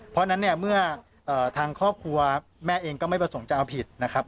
เพราะฉะนั้นเนี่ยเมื่อทางครอบครัวแม่เองก็ไม่ประสงค์จะเอาผิดนะครับ